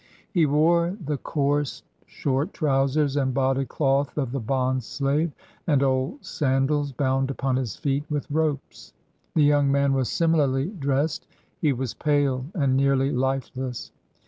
He wore the coarse, short trousers and body cloth of the bondslave, and old sandals bound upon his feet wdth ropes. The young man was similarly dressed. He was pale and nearly Hfeless.